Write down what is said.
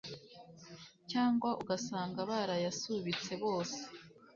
cyangwa ugasanga barayasubitse bose